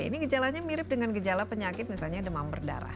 ini gejalanya mirip dengan gejala penyakit misalnya demam berdarah